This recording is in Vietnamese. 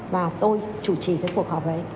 và tôi chủ trì cuộc họp ấy